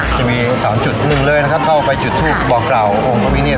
จะมี๓จุดเลยนะครับเข้าไปจุดทุกบอกกล่าวองค์พระพิคเนต